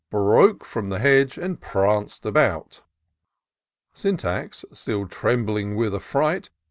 Broke from the hedge, and pranc'd about. Syntax, still trembling with a&ight.